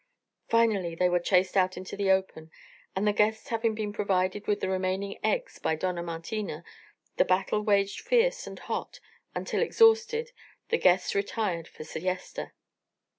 Finally they were chased out into the open, and the guests having been provided with the remaining eggs by Dona Martina, the battle waged fierce and hot until, exhausted, the guests retired for siesta.